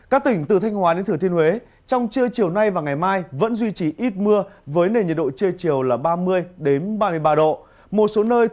các tỉnh từ thanh hóa đến thừa thiên huế trong trưa chiều nay và ngày mai vẫn duy trì ít mưa với nền nhiệt độ trưa chiều là ba mươi ba mươi ba độ